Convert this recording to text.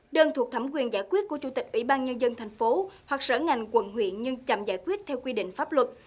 đơn thuộc thẩm quyền giải quyết của chủ tịch ủy ban nhân dân thành phố hoặc sở ngành quận huyện nhưng chậm giải quyết theo quy định pháp luật